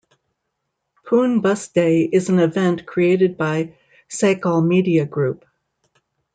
Pune bus day is an event created by Sakal Media Group.